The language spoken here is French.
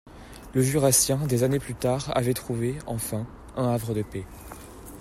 Le Jurassien, des années plus tard, avait trouvé, enfin, un havre de paix